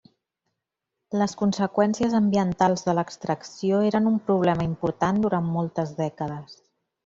Les conseqüències ambientals de l'extracció eren un problema important durant moltes dècades.